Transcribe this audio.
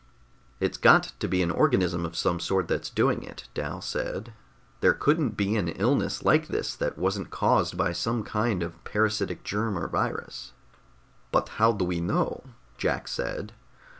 "It's got to be an organism of some sort that's doing it," Dal said. "There couldn't be an illness like this that wasn't caused by some kind of a parasitic germ or virus." "But how do we know?" Jack said.